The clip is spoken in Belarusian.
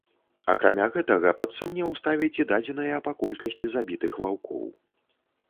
Акрамя гэтага, пад сумнеў ставяць і дадзеныя па колькасці забітых ваўкоў.